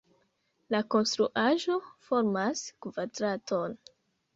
La konstruaĵo formas kvadraton.